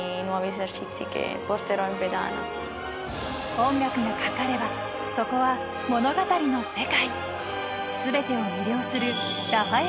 音楽がかかればそこは物語の世界。